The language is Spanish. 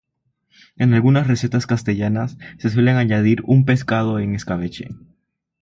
En algunas recetas castellanas se suele añadir un pescado en escabeche.